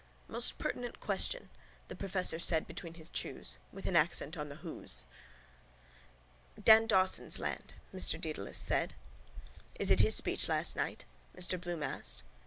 —Most pertinent question, the professor said between his chews. With an accent on the whose. —Dan Dawson's land Mr Dedalus said. —Is it his speech last night? Mr Bloom asked.